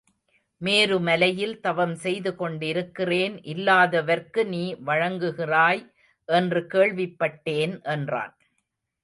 மேருமலையில் தவம் செய்து கொண்டிருக்கிறேன் இல்லாதவர்க்கு நீ வழங்குகின்றாய் என்று கேள்விப்பட் டேன் என்றான்.